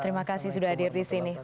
terima kasih sudah hadir di sini